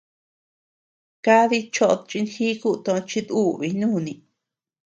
Kadi choʼod chinjíku tochi dùbii nuni.